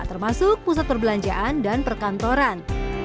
termasuk pusat perbelanjaan dan perkantoran